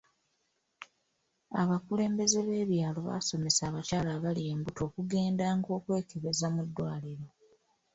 Abakulembeze b'ebyalo basomesa abakyala abali embuto okugendanga okwekebeza mu ddwaliro.